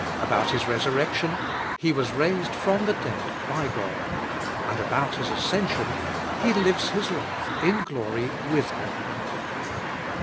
About His resurrection ? He was raised from the dead hy God, And about His as cension ? He lives His life in glory with God.